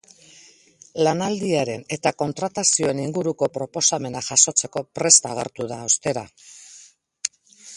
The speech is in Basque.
Lanaldiaren eta kontratazioen inguruko proposamenak jasotzeko prest agertu da, ostera.